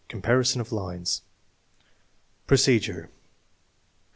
Comparison of lines Procedure.